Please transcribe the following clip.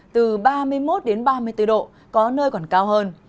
từ ba mươi một đến ba mươi bốn độ có nơi còn cao hơn